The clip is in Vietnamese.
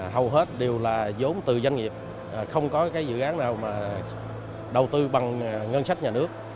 hầu hết đều là giống từ doanh nghiệp không có cái dự án nào mà đầu tư bằng ngân sách nhà nước